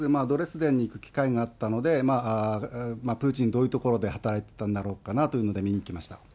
ドレスデンに行く機会があったので、プーチン、どういう所で働いてたんだろうかなということで、見にいきました。